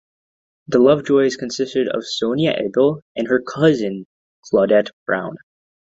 The Love Joys consisted of Sonia Abel and her cousin Claudette Brown.